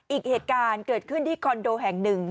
อีกเหตุการณ์เกิดขึ้นที่คอนโดแห่งหนึ่ง